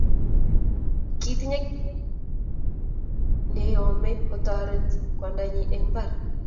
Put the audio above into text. kitinyei kimnatet neyomei kotoret kwandanyin eng mbar